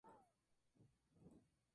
Según Dionisio, fue herido en la batalla.